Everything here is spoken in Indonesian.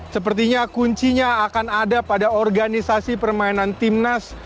sepertinya kuncinya akan ada pada organisasi permainan timnas